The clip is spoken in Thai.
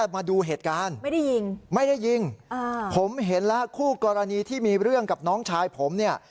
ไม่ได้ยิงผมเห็นแล้วคู่กรณีที่มีเรื่องกับน้องชายผม